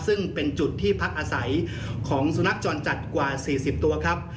ซึ่งเป็นจุดที่พักอาศัยของสุนัขจรจัดกว่า๔๐ตัวครับ